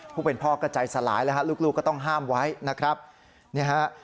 ผู้เป็นพ่อก็ใจสลายแล้วฮะลูกลูกก็ต้องห้ามไว้นะครับเนี่ยฮะ